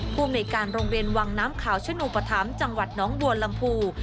ภูมิในการโรงเรียนวังน้ำขาวชนุปธรรมจังหวัดน้องบัวลำพู